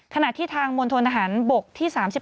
ขณะที่ทางมณฑนทหารบกที่๓๑